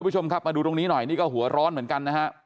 คุณผู้ชมครับมาดูตรงนี้หน่อยนี่ก็หัวร้อนเหมือนกันนะฮะ